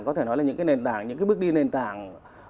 có thể nói là những cái nền tảng những cái bước đi nền tảng